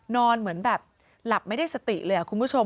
นอนเหมือนแบบหลับไม่ได้สติเลยคุณผู้ชม